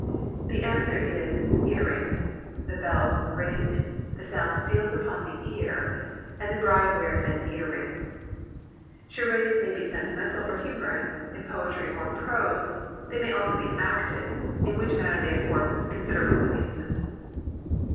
The answer is Ear ring. The bells ring, the sound steals upon the ear, and the bride wears an ear ring. Charades may be sentimental or humorous, in poetry or prose; they may also be acted, in which manner they afford considerable amusement.